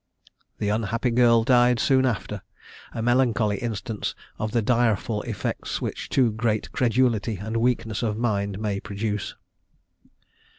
The unhappy girl died soon after, a melancholy instance of the direful effects which too great credulity and weakness of mind may produce.